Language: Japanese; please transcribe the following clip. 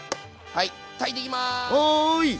はい！